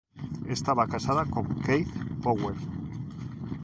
Estaba casada con Keith Powell.